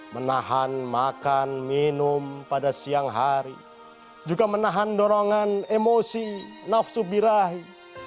menahan makan minum pada siang hari juga menahan dorongan emosi nafsu birahim